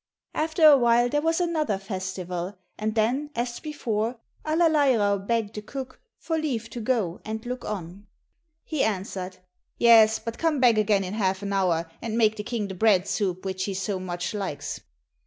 After a while, there was another festival, and then, as before, Allerleirauh begged the cook for leave to go and look on. He answered, "Yes, but come back again in half an hour, and make the King the bread soup which he so much likes."